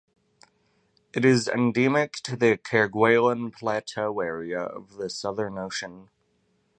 It is endemic to the Kerguelen Plateau area of the Southern Ocean.